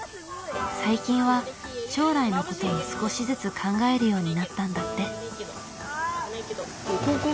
最近は将来のことも少しずつ考えるようになったんだって。